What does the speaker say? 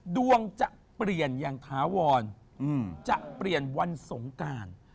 ดวงจะเปลี่ยนอย่างถาวรจะเปลี่ยนวันสงการ